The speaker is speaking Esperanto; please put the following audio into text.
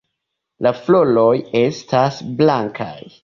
La floroj estas blankaj.